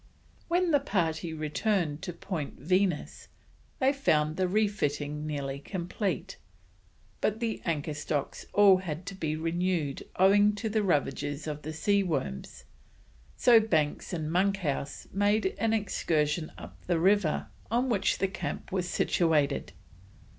When the party returned to Point Venus, they found the refitting nearly complete, but the anchor stocks all had to be renewed owing to the ravages of the sea worms, so Banks and Monkhouse made an excursion up the river on which the camp was situated.